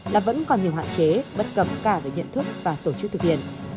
là vẫn còn nhiều hoạn chế bất cập cả về nhận thức và tổ chức thực hiện